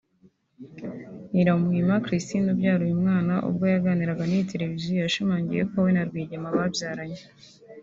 Iramuhima Christine ubyara uyu mwana ubwo yaganiraga n’iyi televiziyo yashimangiye ko we na Rwigema babyaranye